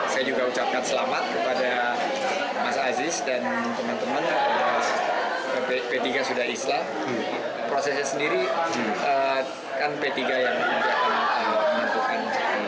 saya juga ucapkan selamat kepada mas aziz dan teman teman p tiga sudah islah prosesnya sendiri kan p tiga yang nanti akan menentukan